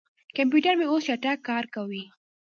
کمپیوټر مې اوس چټک کار کوي.